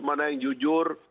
mana yang jujur